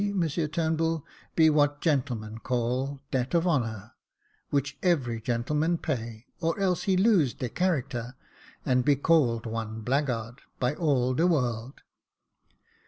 Monsieur Turnbull, be what gentlemen call debt of honour, which every gentleman pay, or else he lose de character, and be called one blackguard by all de world.